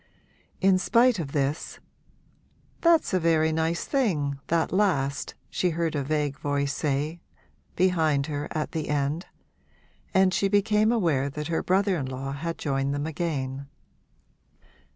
In spite of this 'That's a very nice thing, that last,' she heard a vague voice say, behind her, at the end; and she became aware that her brother in law had joined them again.